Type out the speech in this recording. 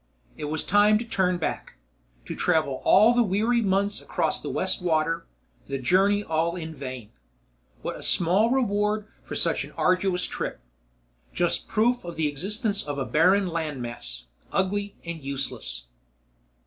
It was time to turn back, to travel all the weary months across the West Water, the journey all in vain. What a small reward for such an arduous trip ... just proof of the existence of a barren land mass, ugly and useless.